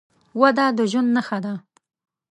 وده د ژوند نښه ده.